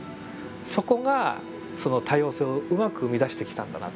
そこがその多様性をうまく生み出してきたんだなって。